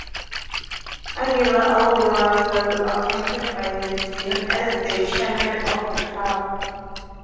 Aguilar Alvarez was appointed by the dean as the chairman of the club.